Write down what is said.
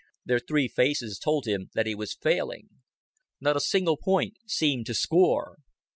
Their three faces told him that he was failing. Not a single point seemed to score.